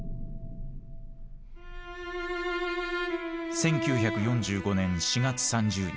１９４５年４月３０日。